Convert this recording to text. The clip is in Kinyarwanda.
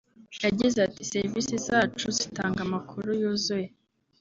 yagize ati “Serivisi zacu zitanga amakuru yuzuye